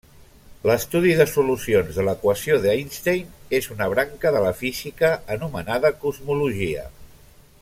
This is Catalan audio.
L'estudi de solucions de l'equació d'Einstein és una branca de la física anomenada cosmologia.